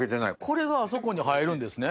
これがあそこに入るんですね